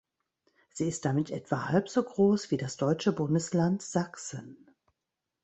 Sie ist damit etwa halb so groß, wie das deutsche Bundesland Sachsen.